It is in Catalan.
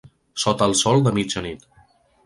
Sota el sol de mitjanit.